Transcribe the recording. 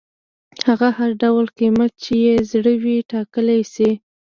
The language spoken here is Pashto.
هغه هر ډول قیمت چې یې زړه وي ټاکلی شي.